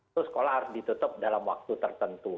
itu sekolah harus ditutup dalam waktu tertentu